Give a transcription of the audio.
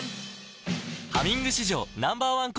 「ハミング」史上Ｎｏ．１抗菌